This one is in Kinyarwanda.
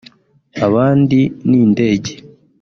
abandi n’indege